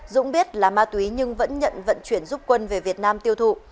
dũng biết là ma túy nhưng vẫn nhận vận chuyển giúp quân về việt nam tiêu thụ